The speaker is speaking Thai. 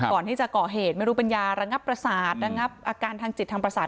ก่อนที่จะก่อเหตุไม่รู้เป็นยาระงับประสาทระงับอาการทางจิตทางประสาท